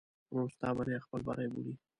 ورور ستا بریا خپل بری بولي.